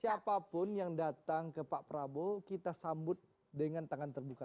siapapun yang datang ke pak prabowo kita sambut dengan tangan terbuka